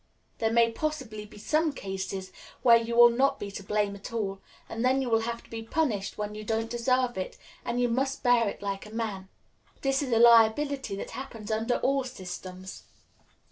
There may possibly be some cases where you will not be to blame at all, and then you will have to be punished when you don't deserve it, and you must bear it like a man. This is a liability that happens under all systems."